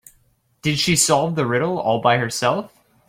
Did she solve the riddle all by herself?